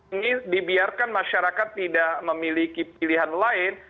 ini dibiarkan masyarakat tidak memiliki pilihan lain